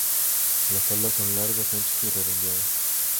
Las alas son largas, anchas y redondeadas.